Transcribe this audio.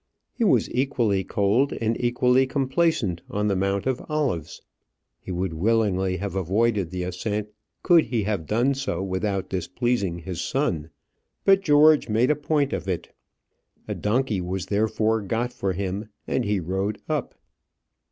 He was equally cold and equally complaisant on the Mount of Olives. He would willingly have avoided the ascent could he have done so without displeasing his son; but George made a point of it. A donkey was therefore got for him, and he rode up.